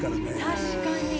「確かに。